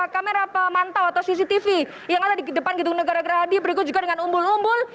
kamera pemantau atau cctv yang ada di depan gedung negara gerahadi berikut juga dengan umbul umbul